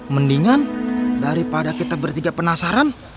mendingan daripada kita bertiga penasaran